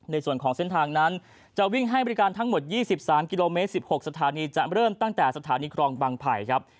ในส่วนของเส้นทางนั้นจะวิ่งให้บริการทั้งหมด๒๓กิโลเมตร๑๖สถานีจะเริ่มตั้งแต่สถานีครองบางไผ่ครับ